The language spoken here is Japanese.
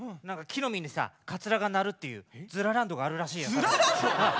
何か木の実にさカツラがなるっていう「ヅ・ラ・ランド」があるらしいよ。